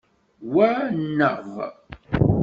Wa nneɣ.